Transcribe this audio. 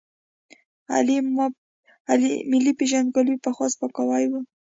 ملي پېژندګلوۍ پخوا سپکاوی و.